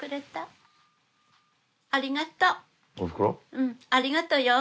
うんありがとよ。